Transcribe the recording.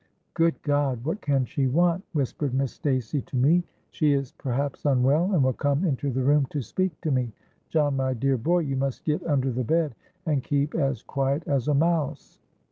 '—'Good God! what can she want?' whispered Miss Stacey to me; 'she is perhaps unwell, and will come into the room to speak to me. John, my dear boy, you must get under the bed, and keep as quiet as a mouse.'